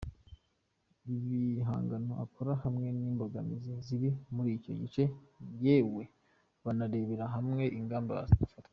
ibihangano akora hamwe n’imbogamizi ziri muriicyo gice yewe banarebera hamwe ingamba zafatwa.